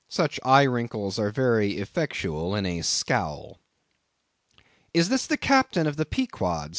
Such eye wrinkles are very effectual in a scowl. "Is this the Captain of the Pequod?"